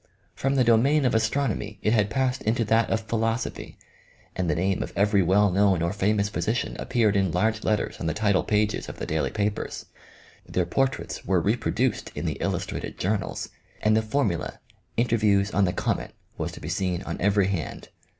From the domain of astronomy it had passed into that of philosophy, and the name of every well known or famous physician appeared in large letters on the title pages of the daily papers ; their portraits were reproduced in the illus trated journals, and the formula, " Interviews on the Comet," was to be seen on every hand.